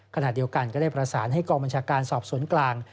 ขณะเดียวกันก็ได้ประสานให้กองบัญชาการสอบสวนกลาง